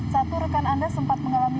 satu rekan anda sempat mengalami